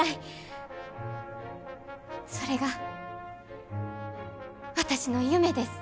それが私の夢です。